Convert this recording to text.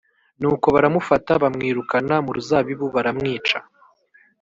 ’ nuko baramufata bamwirukana mu ruzabibu, baramwica